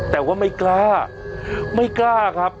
แต่ว่าไม่กล้าไม่กล้าครับ